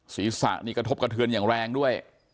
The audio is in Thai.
ศีรษะนี่กระทบกระเทือนอย่างแรงด้วย